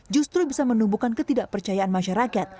justru bisa menumbuhkan ketidakpercayaan masyarakat